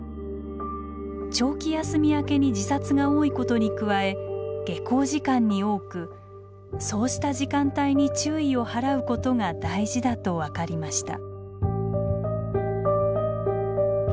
長期休み明けに自殺が多いことに加え下校時間に多くそうした時間帯に注意を払うことが大事だと分かりました。